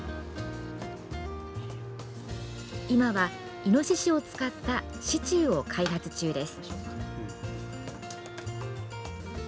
今は、いのししを使ったシチューを開発中です。